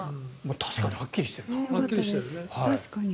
確かにはっきりしてるな。